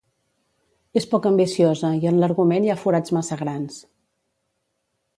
És poc ambiciosa i en l'argument hi ha forats massa grans.